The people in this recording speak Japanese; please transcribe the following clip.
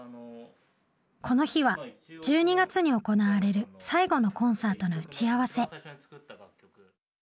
この日は１２月に行われる最後のコンサートの打ち合わせ。